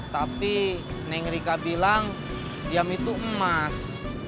tapi neng rika bilang diemin tuh emas